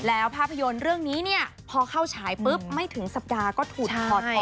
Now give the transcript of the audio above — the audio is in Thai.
แล้วภาพยนตร์เรื่องนี้เนี่ยพอเข้าฉายปุ๊บไม่ถึงสัปดาห์ก็ถูกถอดออก